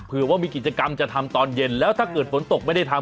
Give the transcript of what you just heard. เผื่อว่ามีกิจกรรมจะทำตอนเย็นแล้วถ้าเกิดฝนตกไม่ได้ทำ